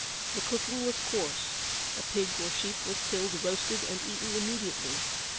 The cooking was coarse: a pig or sheep was killed, roasted and eaten immediately.